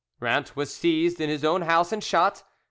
Rant was seized in his own house and shot.